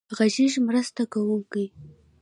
غږیز مرسته کوونکی.